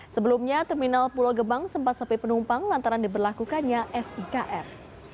sebelumnya terminal pulau gebang sempat sepi penumpang lantaran diberlakukannya sikm